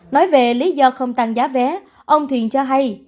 nói về lý do không tăng giá vé ông thiện cho hay